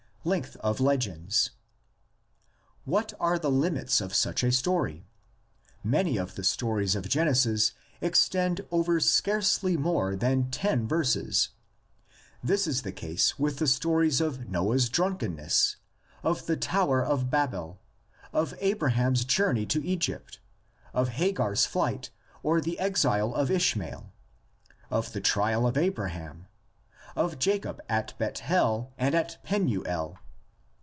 LENGTH OF LEGENDS. What are the limits of such a story? Many of the stories of Genesis extend over scarcely more than ten verses. This is the case with the stories of Noah's drunkenness, of the tower of Babel, of Abraham's journey to Egypt, of Hagar's flight or the exile of Ishmael, of the trial of Abraham, of Jacob at Bethel and at Penuel.